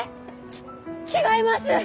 ち違います！